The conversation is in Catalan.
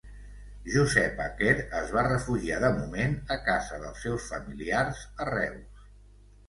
Josepa Quer es va refugiar de moment a casa dels seus familiars a Reus.